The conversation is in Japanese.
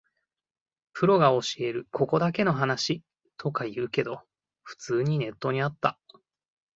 プロが教えるここだけの話とか言うけど、普通にネットにあった